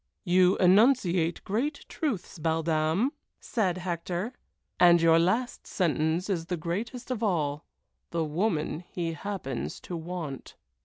"You enunciate great truths, belle dame!" said Hector, "and your last sentence is the greatest of all '_The woman he happens to want.